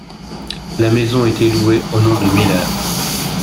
La maison était louée au nom de Miller.